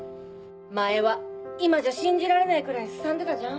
前は今じゃ信じられないくらいすさんでたじゃん。